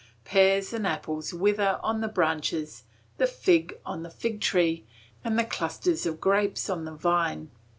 Pears and apples wither on the branches, the fig on the fig tree, and the clusters of grapes on the vine.